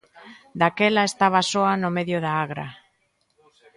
Daquela estaba soa no medio da agra.